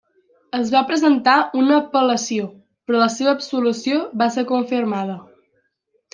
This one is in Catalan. Es va presentar una apel·lació però la seva absolució va ser confirmada.